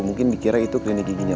mungkin dikira itu klinik giginya